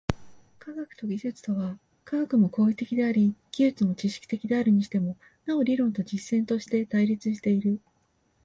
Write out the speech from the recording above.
科学と技術とは、科学も行為的であり技術も知識的であるにしても、なお理論と実践として対立している。